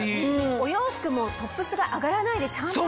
お洋服もトップスが上がらないでちゃんと。